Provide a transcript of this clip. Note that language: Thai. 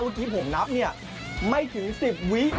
เมื่อกี้ผมนับเนี่ยไม่ถึง๑๐วิ